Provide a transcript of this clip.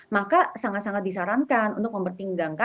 maka sangat sangat disarankan untuk mempertimbangkan